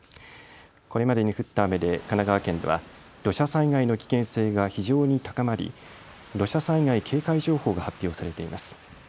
これまでに降った雨で神奈川県では土砂災害の危険性が非常に高まり土砂災害警戒情報が発表されています。